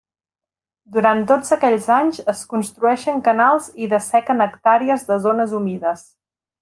Durant tots aquells anys, es construeixen canals i dessequen hectàrees de zones humides.